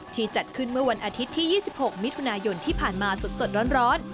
จัดขึ้นเมื่อวันอาทิตย์ที่๒๖มิถุนายนที่ผ่านมาสดร้อน